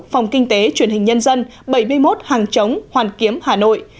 phòng kinh tế truyền hình nhân dân bảy mươi một hàng chống hoàn kiếm hà nội